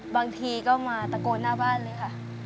บางทีก็มาตะโกนหน้าบ้านเลยค่ะ